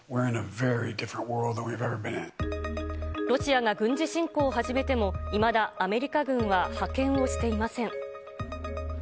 ロシアが軍事侵攻を始めても、いまだアメリカ軍は派遣をしていません。